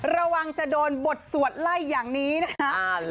ระวังจะโดนบทสวดไล่อย่างนี้นะคะ